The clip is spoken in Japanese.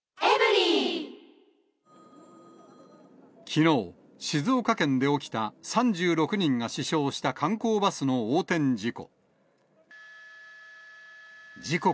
きのう、静岡県で起きた３６人が死傷した観光バスの横転事故。